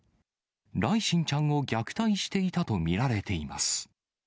來心ちゃんを虐待していたと見られています。